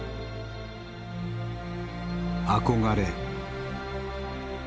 憧れ。